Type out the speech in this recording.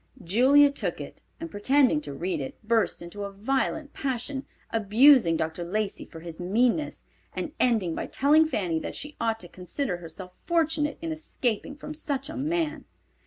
Julia took it, and pretending to read it, burst into a violent passion, abusing Dr. Lacey for his meanness, and ending by telling Fanny that she ought to consider herself fortunate in escaping from such a man.